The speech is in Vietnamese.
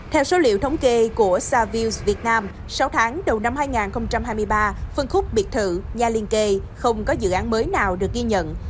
theo số liệu thống kê của savills việt nam sáu tháng đầu năm hai nghìn hai mươi ba phân khúc biệt thự nhà liên kề không có dự án mới nào được ghi nhận